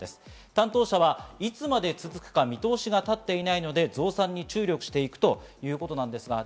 担当者はいつまで続くか見通しがたっていないので増産に注力していくということです。